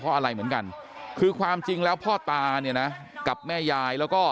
เพราะอะไรเหมือนกันคือความจริงแล้วพ่อตาเนี่ยนะกับแม่ยายแล้วก็